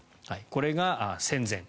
これが戦前。